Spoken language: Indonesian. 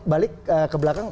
balik ke belakang